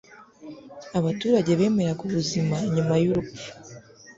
Abaturage bemeraga ubuzima nyuma y'urupfu.